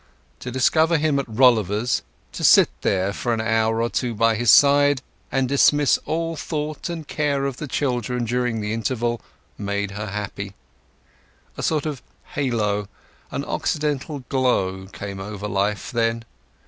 To discover him at Rolliver's, to sit there for an hour or two by his side and dismiss all thought and care of the children during the interval, made her happy. A sort of halo, an occidental glow, came over life then.